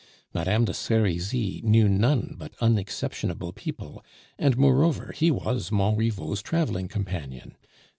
Mme. de Serizy knew none but unexceptionable people, and moreover he was Montriveau's traveling companion.